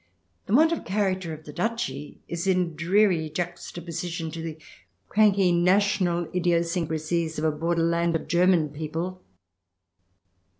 The want of character of the duchy is in dreary juxtaposition to the cranky national idiosyncrasies of a borderland of German people.